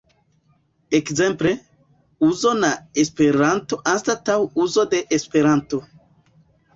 Ekzemple, "uzo" na Esperanto" anstataŭ "uzo de Esperanto".